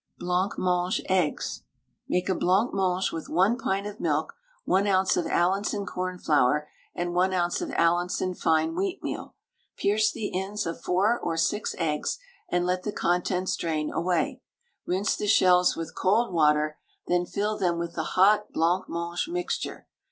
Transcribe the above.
BLANCMANGE EGGS. Make a blancmange with 1 pint of milk, 1 oz. of Allinson cornflour, and 1 oz. of Allinson fine wheatmeal. Pierce the ends of 4 or 6 eggs, and let the contents drain away. Rinse the shells with cold water, then fill them with the hot blancmange mixture.